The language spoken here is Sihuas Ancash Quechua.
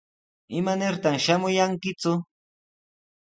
¿Imanirtaq shamuyankiku?